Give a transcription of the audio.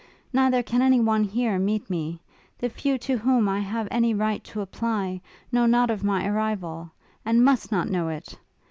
Neither can any one here meet me: the few to whom I have any right to apply, know not of my arrival and must not know it!